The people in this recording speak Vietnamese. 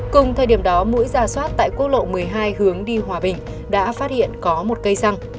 cùng thời điểm đó mũi ra soát tại quốc lộ một mươi hai hướng đi hòa bình đã phát hiện có một cây xăng